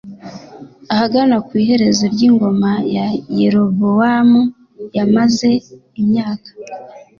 Ahagana ku iherezo ryingoma ya Yerobowamu yamaze imyaka